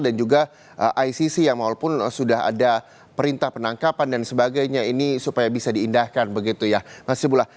juga icc yang walaupun sudah ada perintah penangkapan dan sebagainya ini supaya bisa diindahkan begitu ya mas ibulah